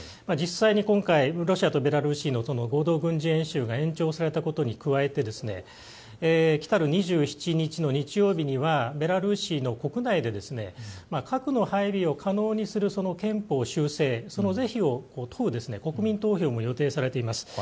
実際に今回、ロシアとベラルーシの合同軍事演習が延長されたことに加えて来る２７日、日曜日にはベラルーシの国内で核の配備を可能にする憲法修正その是非を問う国民投票も予定されています。